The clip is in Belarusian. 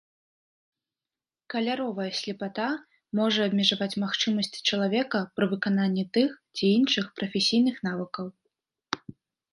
Каляровая слепата можа абмежаваць магчымасці чалавека пры выкананні тых ці іншых прафесійных навыкаў.